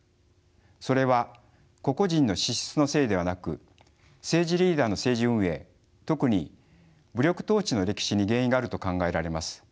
それは個々人の資質のせいではなく政治リーダーの政治運営特に武力統治の歴史に原因があると考えられます。